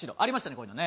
こういうのね